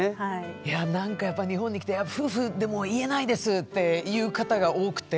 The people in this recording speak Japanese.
やっぱり日本に来て「夫婦でも言えないです」っていう方が多くて。